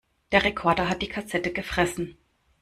Der Rekorder hat die Kassette gefressen.